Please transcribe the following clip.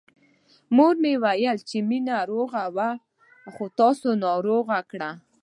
مور وويل چې مينه روغه وه او تاسې ناروغه کړه